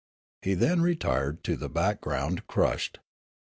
He then retired into the back ground crushed.